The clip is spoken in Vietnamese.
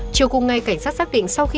chiều cùng ngày cảnh sát xác định